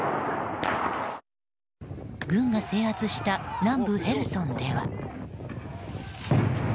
軍が制圧した南部ヘルソンでは。